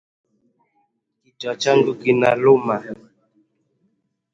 Kichwa changu kinaluma